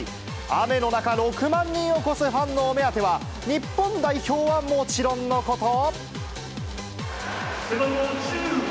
雨の中、６万人を超すファンのお目当ては、日本代表はもちろんのこと。